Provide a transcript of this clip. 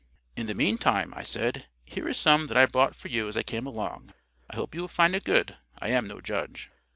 "In the meantime," I said, "here is some that I bought for you as I came along. I hope you will find it good. I am no judge."